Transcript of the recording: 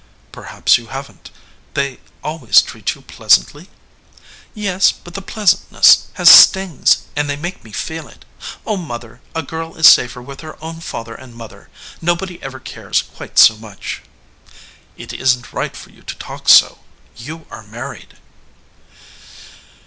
"Perhaps you haven t. They always treat you pleasantly?" "Yes, but the pleasantness has stings, and they make me feel it. Oh, mother, a girl is safer with her own father and mother. Nobody ever cares quite so much." "It isn t right for you to talk so; you are mar ried."